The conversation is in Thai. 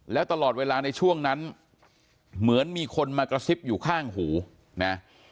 แล้วตลอดเวลาในช่วงนั้นเหมือนมีคนมากระซิบอยู่ข้างหูนะ